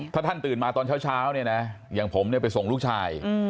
ถ้าท่านตื่นมาตอนเช้าเนี่ยนะอย่างผมไปส่งลูกชาย